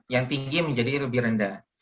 yang tinggi menjadi lebih rendah